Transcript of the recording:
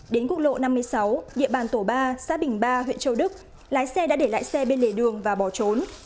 đến quốc lộ năm mươi sáu địa bàn tổ ba xã bình ba huyện châu đức lái xe đã để lại xe bên lề đường và bỏ trốn